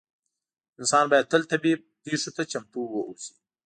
انسانان باید تل طبیعي پېښو ته چمتو اووسي.